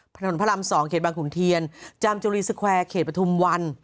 ธรรมดินภรรม๒๐เขตบางขุนเทียนจำจุลีสเกวร์เขตปฐุมวัน